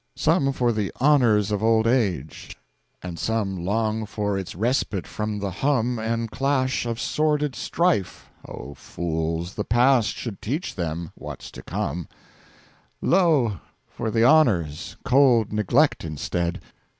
Some for the Honours of Old Age, and some Long for its Respite from the Hum And Clash of sordid Strife O Fools, The Past should teach them what's to Come: Lo, for the Honours, cold Neglect instead!